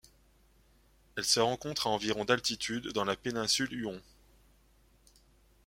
Elle se rencontre à environ d'altitude dans la péninsule Huon.